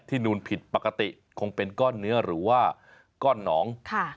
นูนผิดปกติคงเป็นก้อนเนื้อหรือว่าก้อนหนอง